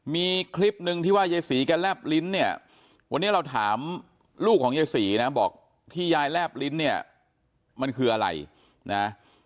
มีคลิปหนึ่งที่ว่ายายศรีแกแลบลิ้นเนี่ยวันนี้เราถามลูกของยายศรีนะบอกที่ยายแลบลิ้นเนี่ยมันคืออะไรนะ